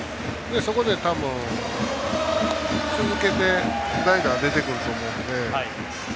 そこで、多分続けて代打、出てくると思うので。